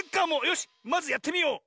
よしまずやってみよう！